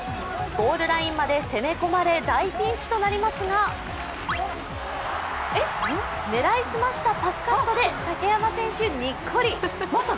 ゴールラインまで攻め込まれ大ピンチとなりますが狙い澄ましたパスカットで竹山選手、にっこり。